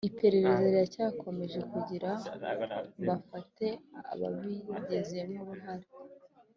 Iperereza riracyakomeje kugira bafate ababigizemo uruhare